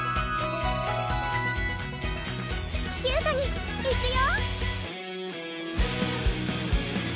キュートにいくよ！